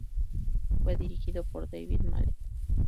Fue dirigido por David Mallet.